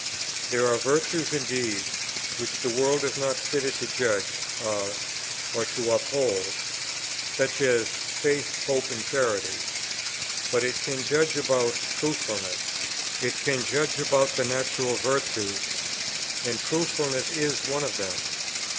There are virtues indeed, which the world is not fitted to judge of or to uphold, such as faith, hope, and charity: but it can judge about Truthfulness; it can judge about the natural virtues, and Truthfulness is one of them.